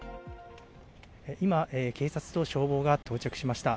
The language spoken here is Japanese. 今警察と消防が到着しました。